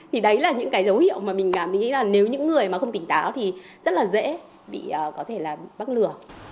thì đấy là những cái dấu hiệu mà mình cảm thấy là nếu những người mà không tỉnh táo thì rất là dễ bị có thể là bị bắt lừa